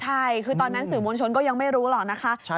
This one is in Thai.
ใช่คือตอนนั้นสื่อมวลชนก็ยังไม่รู้หรอกนะคะ